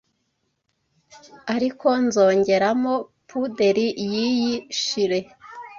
ariko nzongeramo puderi yiyi shile